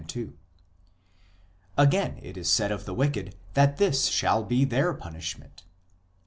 1 Again, it is said of the wicked that this shall be their punishment